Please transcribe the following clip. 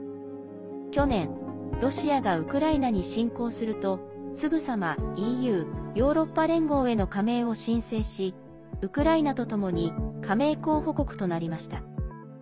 去年、ロシアがウクライナに侵攻するとすぐさまＥＵ＝ヨーロッパ連合への加盟を申請しウクライナとともに加盟候補国となりました。